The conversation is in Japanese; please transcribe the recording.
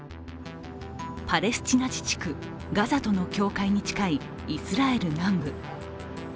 パレスチナ自治区ガザとの境界に近いイスラエル南部。